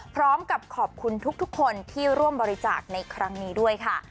พร้อมกับขอบคุณทุกคนที่ร่วมบริจาคในครั้งนี้ด้วยค่ะ